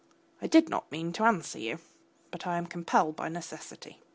I did not mean to answer you. But I am compelled by necessity.